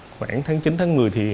khoảng tháng chín tháng một mươi